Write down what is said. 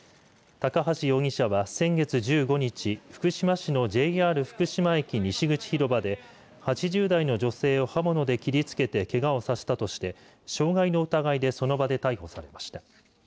高橋容疑者は先月１５日福島市のＪＲ福島駅西口広場で８０代の女性を刃物で切りつけてけがをさせたとして傷害の疑いでその場で逮捕されました。